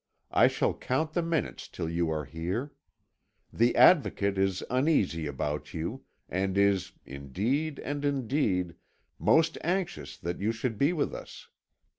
I shall count the minutes till you are here. The Advocate is uneasy about you, and is, indeed and indeed, most anxious that you should be with us.